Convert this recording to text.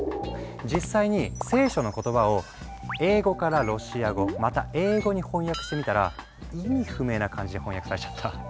実際に聖書の言葉を英語からロシア語また英語に翻訳してみたら意味不明な感じで翻訳されちゃった。